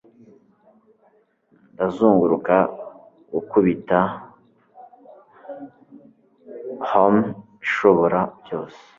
ndazunguruka gukubita hum ishobora byose